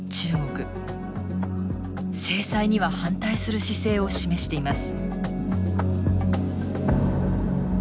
制裁には反対する姿勢を示しています。